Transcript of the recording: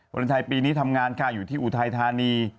คนไทยปีนี้ทำงานค่ะอยู่ที่อุทัยธานี